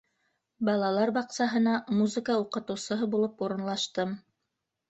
Балалар баҡсаһына музыка уҡытыусыһы булып урынлаштым.